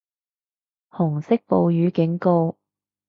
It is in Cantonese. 紅色暴雨警告